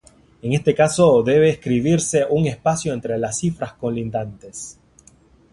En este caso debe escribirse un espacio entre las cifras colindantes.